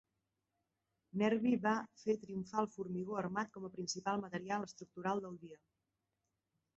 Nervi va fer triomfar el formigó armat com a principal material estructural del dia.